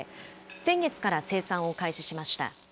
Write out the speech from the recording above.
先月から生産を開始しました。